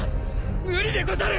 無理でござる！